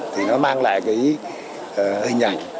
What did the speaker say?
thì nó mang lại cái hình ảnh